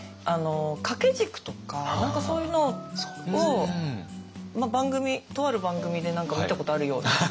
掛け軸とか何かそういうのを番組とある番組で何か見たことあるような。